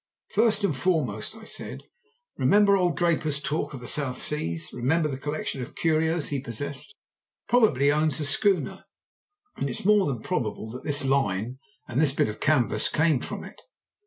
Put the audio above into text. "First and foremost," I said, "remember old Draper's talk of the South Seas remember the collection of curios he possessed. Probably he owns a schooner, and it's more than probable that this line and this bit of canvas came from it."